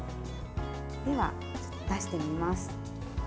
では、出してみます。